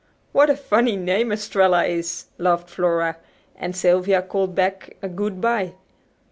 "What a funny name 'Estralla' is," laughed Flora, as Sylvia called back a good bye.